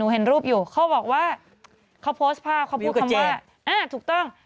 เห็นรูปั๊บเมื่อกี้นึง